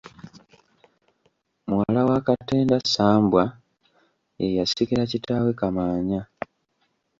Muwala wa Katenda Ssambwa, ye yasikira kitaawe Kamaanya.